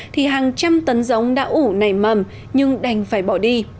thì hàng trăm tấn giống đã ủ nảy mầm nhưng đành phải bỏ đi